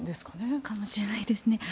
かもしれないですね。